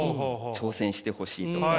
挑戦してほしいとか。